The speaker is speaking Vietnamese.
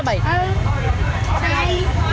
là bao nhiêu một thùng